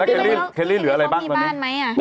แล้วเคลรี่เคลรี่เหลืออะไรบ้างตอนนี้นี่เห็นมันเขามีบ้านไหมอะ